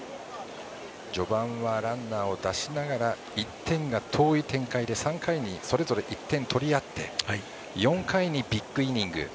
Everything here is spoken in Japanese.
序盤はランナーを出しながら１点が遠い展開で３回にそれぞれ１点取り合って４回にビッグイニング。